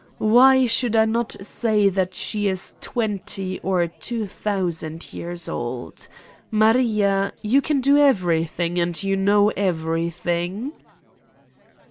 Why should I not say that she is 20 or 2000 years old ! Maria ... you can do everything and you know every thing!"